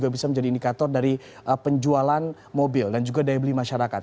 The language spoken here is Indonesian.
bisa menjadi indikator dari penjualan mobil dan juga daya beli masyarakat